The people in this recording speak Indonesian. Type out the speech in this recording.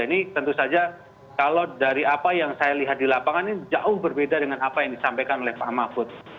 ini tentu saja kalau dari apa yang saya lihat di lapangan ini jauh berbeda dengan apa yang disampaikan oleh pak mahfud